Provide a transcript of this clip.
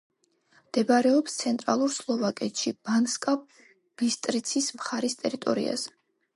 მდებარეობს ცენტრალურ სლოვაკეთში, ბანსკა-ბისტრიცის მხარის ტერიტორიაზე.